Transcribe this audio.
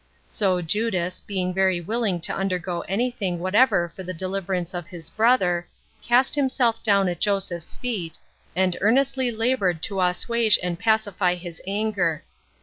So Judas, being very willing to undergo any thing whatever for the deliverance of his brother, cast himself down at Joseph's feet, and earnestly labored to assuage and pacify his anger.